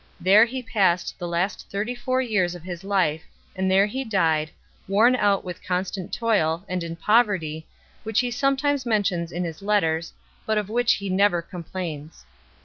There he passed the last thirty four years of his life, and there he died, worn out with constant toil, and in poverty, which he sometimes mentions in his letters, but of which he never complains.